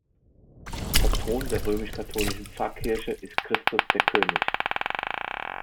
Patron der römisch-katholischen Pfarrkirche ist Christus der König.